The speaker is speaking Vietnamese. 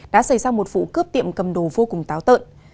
đã xảy ra một vụ cướp tiệm cầm đồ vô cùng táo tợn